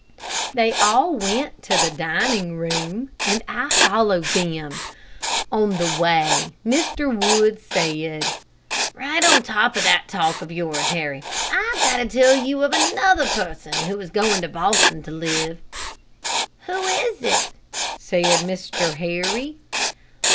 They all went to the dining room, and I followed them. On the way, Mr. Wood said, "Right on top of that talk of yours, Harry, I've got to tell you of another person who is going to Boston to live." "Who is it?" said Mr. Harry.